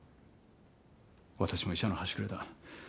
私も医者の端くれだ。